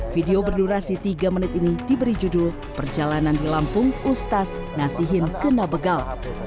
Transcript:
video berdurasi tiga menit ini diberi judul perjalanan di lampung ustaz ngasihin kena begal